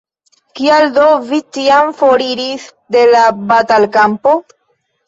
Kial do vi tiam foriris de la batalkampo?